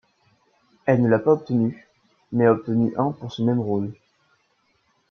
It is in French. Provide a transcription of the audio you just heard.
Elle ne l'a pas obtenu, mais a obtenu un pour ce même rôle.